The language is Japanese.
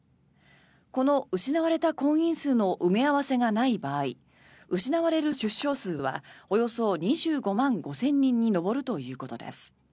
この失われた婚姻数の埋め合わせがない場合失われる出生数はおよそ２５万５０００人に上るということです。